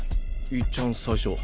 いっちゃん最初。